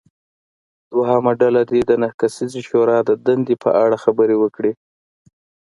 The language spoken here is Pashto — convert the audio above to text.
دویمه ډله دې د نهه کسیزې شورا د دندې په اړه خبرې وکړي.